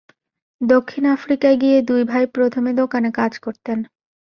দক্ষিণ আফ্রিকায় গিয়ে দুই ভাই প্রথমে দোকানে কাজ করতেন।